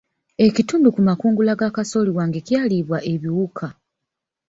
Ekitundu ku makungula ga kasooli wange kyalibwa ebiwuka.